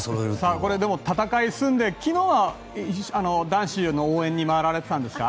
これ、でも戦い済んで昨日は男子の応援に回られていたんですか？